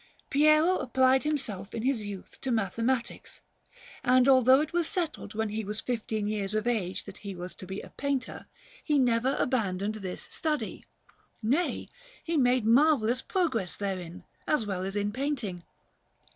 Piero applied himself in his youth to mathematics, and although it was settled when he was fifteen years of age that he was to be a painter, he never abandoned this study; nay, he made marvellous progress therein, as well as in painting.